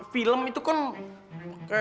film itu kan pake